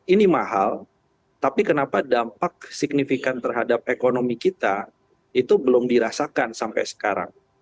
ini mahal tapi kenapa dampak signifikan terhadap ekonomi kita itu belum dirasakan sampai sekarang